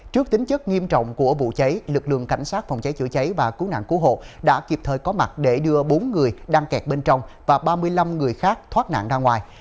trước tính chất nghiêm trọng của vụ cháy lực lượng cảnh sát phòng cháy chữa cháy và cứu nạn cứu hộ đã kịp thời có mặt để đưa bốn người đang kẹt bên trong và ba mươi năm người khác thoát nạn ra ngoài